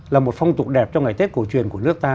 là một phong tục đẹp trong ngày tết cổ truyền của nước ta